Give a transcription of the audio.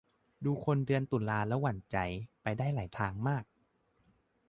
ดูคนเดือนตุลาแล้วหวั่นใจ ไปได้หลายทางมาก